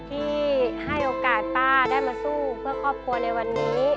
ที่ให้โอกาสป๊าได้ซื้อเพื่อข้อป่วง